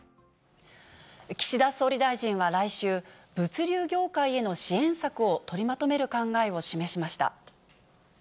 岸田総理大臣は来週、物流業界への支援策を取りまとめる考えを示しました。